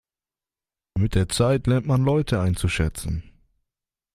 Mit der Zeit lernt man Leute einzuschätzen.